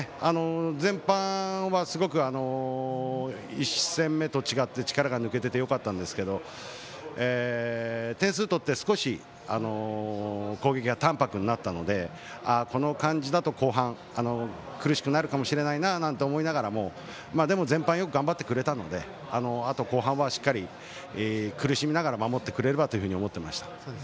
前半はすごく１戦目と違って力が抜けててよかったんですけど点数とって少し攻撃が淡泊になったのでこの感じだと後半苦しくなるかもしれないなと思いながらも、でも前半よく頑張ってくれたので後半は苦しみながら守ってくれればと思っていました。